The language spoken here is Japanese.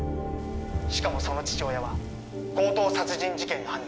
しかもその父親は強盗殺人事件の犯人